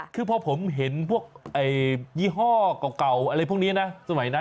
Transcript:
คือพอผมเห็นพวกยี่ห้อเก่าอะไรพวกนี้นะสมัยนั้น